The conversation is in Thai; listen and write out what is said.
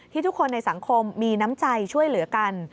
ทุกคนในสังคมมีน้ำใจช่วยเหลือกัน